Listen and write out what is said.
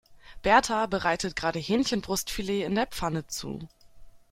Berta bereitet gerade Hähnchenbrustfilet in der Pfanne zu.